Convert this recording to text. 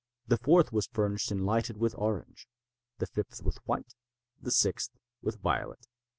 The fourth was furnished and lighted with orange—the fifth with white—the sixth with violet.